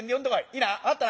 いいな分かったな？